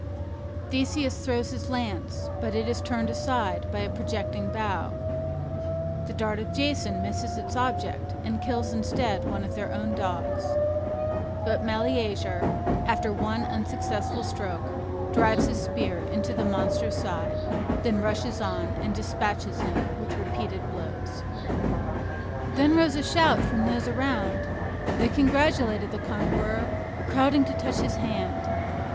Theseus throws his lance, but it is turned aside by a projecting bough. The dart of Jason misses its object, and kills instead one of their own dogs. But Meleager, after one unsuccessful stroke, drives his spear into the monster's side, then rushes on and despatches him with repeated blows. Then rose a shout from those around; they congratulated the conqueror, crowding to touch his hand.